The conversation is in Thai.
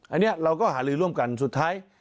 อันนี้เราก็หาลือร่วมกันสุดท้าย